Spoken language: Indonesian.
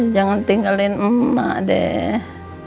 jangan tinggalin emak deh